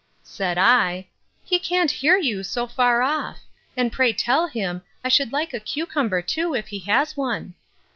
said I, He can't hear you so far off; and pray tell him, I should like a cucumber too, if he has one.